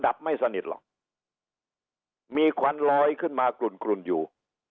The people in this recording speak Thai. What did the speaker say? ไม่สนิทหรอกมีควันลอยขึ้นมากลุ่นกลุ่นอยู่